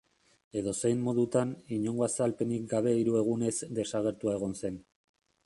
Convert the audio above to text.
Edozein modutan, inongo azalpenik gabe hiru egunez desagertua egon zen.